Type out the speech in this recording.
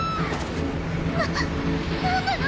な何なの？